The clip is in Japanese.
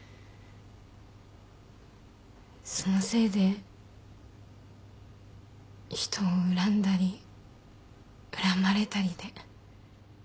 そのせいで人を恨んだり恨まれたりで。